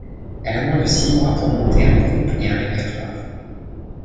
Elle a moins de six mois pour monter un groupe et un répertoire.